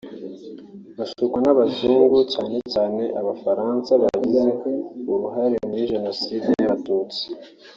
bashukwa n’abazungu cyane cyane Abafaransa bagize uruhare muri Jenoside y’Abatutsi